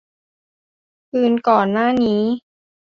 คืนก่อนหน้านี้